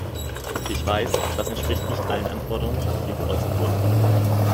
Ich weiß, das entspricht nicht allen Anforderungen, die hier geäußert wurden.